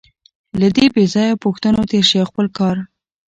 له دې بېځایه پوښتنو تېر شئ او خپل کار.